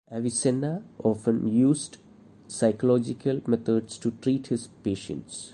Avicenna often used psychological methods to treat his patients.